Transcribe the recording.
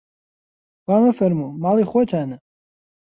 وا مەفەرموو ماڵی خۆتانە